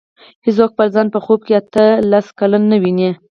هېڅوک خپل ځان په خوب کې اته لس کلن نه ویني.